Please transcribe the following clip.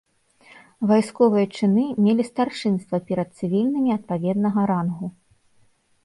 Вайсковыя чыны мелі старшынства перад цывільнымі адпаведнага рангу.